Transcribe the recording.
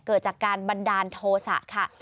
เกิดจากการบันดาลโทษะค่ะ